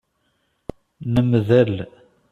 Nemdel.